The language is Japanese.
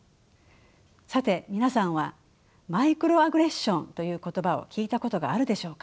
さて皆さんはマイクロアグレッションという言葉を聞いたことがあるでしょうか。